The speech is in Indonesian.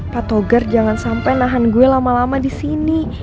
pak togar jangan sampai nahan gue lama lama disini